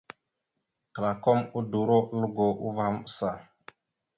Klakom udoróalgo uvah maɓəsa.